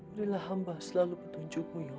berilah hamba selalu petunjukmu ya allah